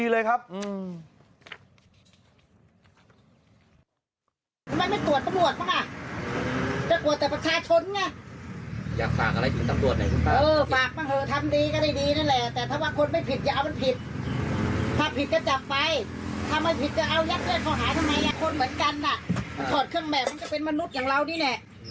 เฮ้กินพริกกินเกลือเหมือนกัน